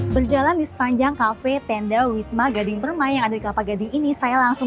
berjalan di sepanjang kafe tenda wisma gading permai yang ada di kelapa gading ini saya langsung